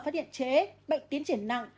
phát hiện trễ bệnh tiến triển nặng